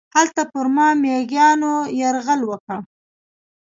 هلته پر ما میږیانو یرغل وکړ.